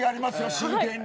真剣に。